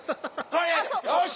よし！